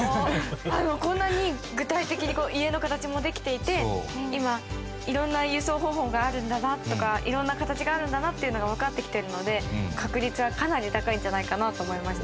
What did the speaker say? こんなに具体的に家の形もできていて今色んな輸送方法があるんだなとか色んな形があるんだなっていうのがわかってきてるので確率はかなり高いんじゃないかなと思いました。